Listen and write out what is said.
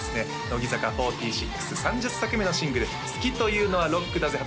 乃木坂４６３０作目のシングル「好きというのはロックだぜ！」